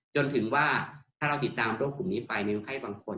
จนถึงว่าถ้าเราติดตามโรคกลุ่มนี้ไปในไข้บางคน